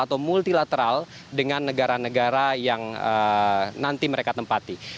atau multilateral dengan negara negara yang nanti mereka tempati